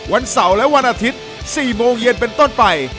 วันเสาร์และวันอาทิตย์๔โมงเย็นเป็นต้นไป